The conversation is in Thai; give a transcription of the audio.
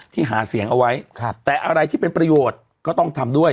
หาเสียงเอาไว้แต่อะไรที่เป็นประโยชน์ก็ต้องทำด้วย